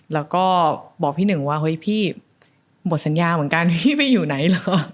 แล้วก็บอกพี่หนึ่งว่าหยไปอยู่ไหน